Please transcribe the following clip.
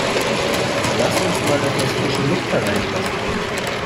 Lass uns mal etwas frische Luft hereinlassen!